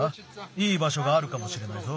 いいばしょがあるかもしれないぞ。